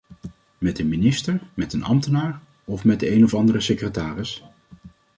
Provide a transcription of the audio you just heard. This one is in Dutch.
Met een minister, met een ambtenaar of met de een of andere secretaris?